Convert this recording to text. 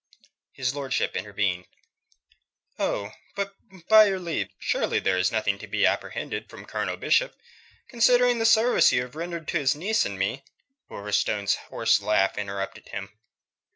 His lordship intervened. "Oh, but by your leave surely there is nothing to be apprehended from Colonel Bishop. Considering the service you have rendered to his niece and to me...." Wolverstone's horse laugh interrupted him.